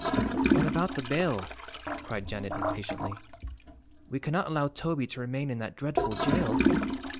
"But about the bail," cried Janet impatiently. "We cannot allow Toby to remain in that dreadful jail!"